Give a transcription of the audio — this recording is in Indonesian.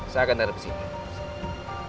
saya akan tarik pesikipan